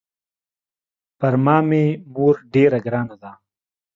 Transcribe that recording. پر ما مې مور ډېره ګرانه ده.